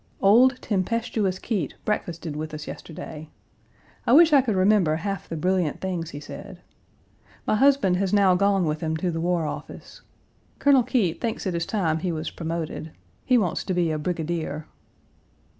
Old tempestuous Keitt breakfasted with us yesterday. I wish I could remember half the brilliant things he said. My husband has now gone with him to the War Office. Colonel Keitt thinks it is time he was promoted. He wants to be a brigadier.